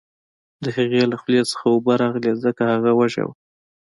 د هغې له خولې څخه اوبه راغلې ځکه هغه وږې وه